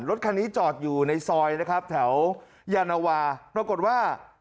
รถคันนี้จอดอยู่ในซอยนะครับแถวยานวาปรากฏว่า